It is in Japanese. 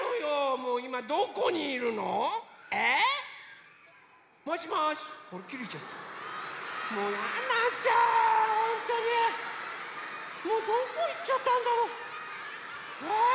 もうどこいっちゃったんだろう？え？